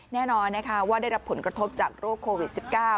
แน่นอนนะคะว่าได้รับผลกระทบจากโรคโควิด๑๙